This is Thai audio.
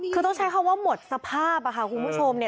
คือต้องใช้คำว่าหมดสภาพคุณผู้ชมเนี่ย